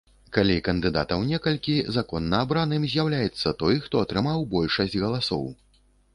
Калі кандыдатаў некалькі, законна абраным з'яўляецца той, хто атрымаў большасць галасоў.